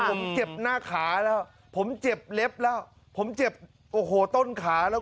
ผมเจ็บหน้าขาแล้วผมเจ็บเล็บแล้วผมเจ็บโอ้โหต้นขาแล้ว